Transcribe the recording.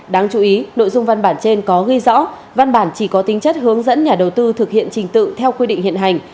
đáng chú ý nội dung văn bản trên có ghi rõ văn bản chỉ có tính chất hướng dẫn nhà đầu tư thực hiện trình tự theo quy định hiện hành